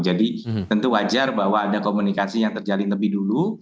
jadi tentu wajar bahwa ada komunikasi yang terjalin lebih dulu